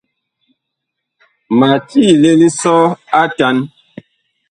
Ma tiile lisɔ a atan.